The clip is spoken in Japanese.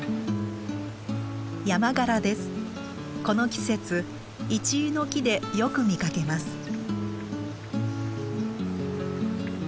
この季節イチイの木でよく見かけます。